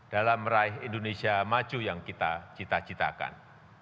dalam meraih indonesia maju yang kita cita citakan